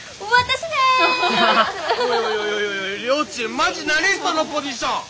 マジ何そのポジション！